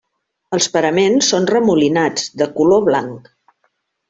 Els paraments són remolinats, de color blanc.